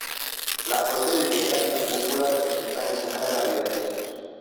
Las ocho vidrieras de la cúpula representan escenas de la vida de Jesús.